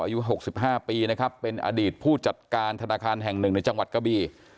อายุ๖๕ปีนะครับเป็นอดีตผู้จัดการธนาคารแห่งหนึ่งในจังหวัดกะบี